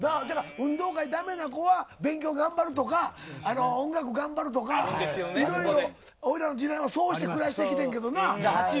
運動会駄目な子は勉強頑張るとか音楽頑張るとか、いろいろ俺らの時代はそうして暮らしてきたけど。